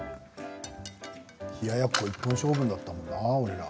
冷ややっこ一本勝負だったもんな俺ら。